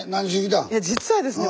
いや実はですね